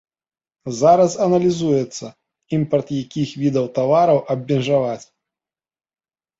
Зараз аналізуецца, імпарт якіх відаў тавараў абмежаваць.